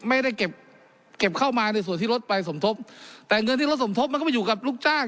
ไม่ได้เก็บเก็บเข้ามาในส่วนที่รถไปสมทบแต่เงินที่รถสมทบมันก็ไปอยู่กับลูกจ้าง